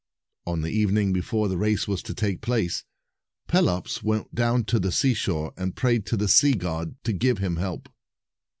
On the evening before the race was to take place, Pelops went down to the seashore, and prayed to the sea god to give him help.